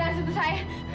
jangan sentuh saya